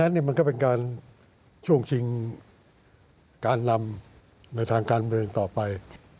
นี่มันก็เป็นการช่วงชิงการนำในทางการเมืองต่อไป